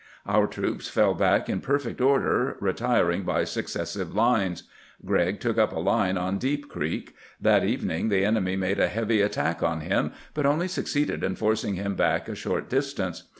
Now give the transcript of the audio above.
Our troops fell back in perfect order, retiring by successive lines. Gregg took up a line on Deep Creek. That evening the enemy made a heavy at tack on him, but only succeeded in forcing him back a short distance.